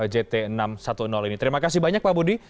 jt enam ratus sepuluh ini terima kasih banyak pak budi